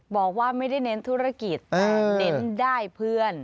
บอกว่าไม่ได้เน้นธุรกิจแต่เน้นได้เพื่อน